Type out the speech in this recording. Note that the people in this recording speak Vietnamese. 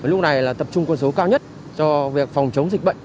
lúc này là tập trung quân số cao nhất cho việc phòng chống dịch bệnh